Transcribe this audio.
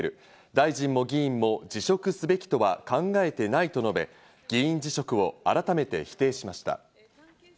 大臣も議員も辞職すべきとは考えてないと述べ、議員辞職を改めて否定しました。